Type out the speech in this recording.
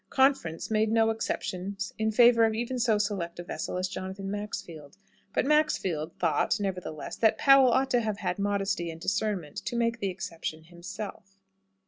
Conference made no exceptions in favour even of so select a vessel as Jonathan Maxfield. But Maxfield thought, nevertheless, that Powell ought to have had modesty and discernment to make the exception himself.